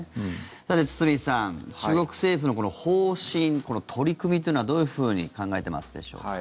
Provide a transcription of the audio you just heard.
さて、堤さん中国政府の方針取り組みというのはどういうふうに考えてますでしょうか。